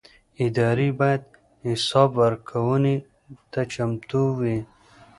ادارې باید حساب ورکونې ته چمتو وي